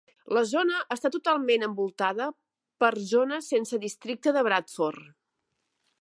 La zona està totalment envoltada per zones sense districte de Bradford.